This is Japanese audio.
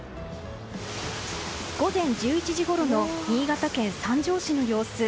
午前１１時ごろの新潟県三条市の様子。